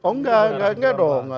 oh enggak enggak dong